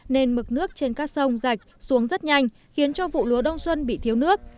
nên mực nước trên các sông rạch xuống rất nhanh khiến cho vụ lúa đông xuân bị thiếu nước